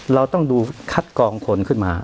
เราต้องดูคัดกองคนขึ้นมา